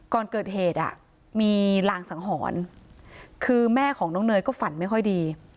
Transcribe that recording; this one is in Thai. ก่อนเกิดเหตุอ่ะมีรางสังหรณ์คือแม่ของน้องเนยก็ฝันไม่ค่อยดี